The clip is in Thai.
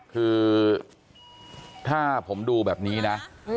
คือถ้าผมดูแบบนี้นะ